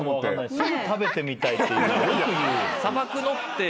すぐ「食べてみたい」ってよく言うよ。